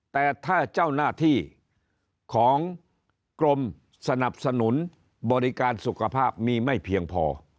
แต่ถ้าเจ้าหน้าที่ของกรมสนับสนุนบริการสุขภาพมีไม่เพียงพอ